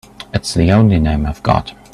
It's the only name I've got.